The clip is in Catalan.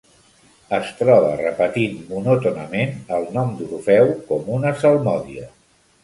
Es troba repetint monòtonament el nom d'Orfeu, com una salmòdia.